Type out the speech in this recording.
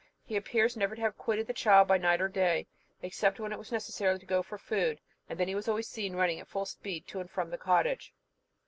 He appears never to have quitted the child by night or day, except when it was necessary to go for food, and then he was always seen running at full speed to and from the cottage.